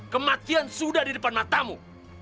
kematian sudah di depan matamu